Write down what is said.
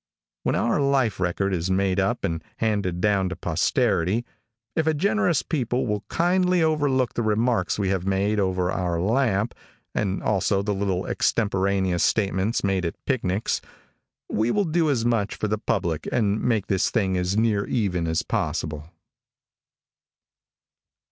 When our life record is made up and handed down to posterity, if a generous people will kindly overlook the remarks we have made over our lamp, and also the little extemporaneous statements made at picnics, we will do as much for the public and make this thing as near even as possible.